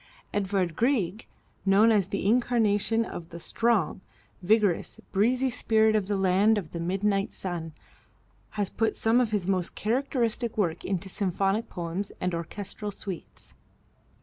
Edward Grieg, known as the incarnation of the strong, vigorous, breezy spirit of the land of the midnight sun, has put some of his most characteristic work into symphonic poems and orchestral suites.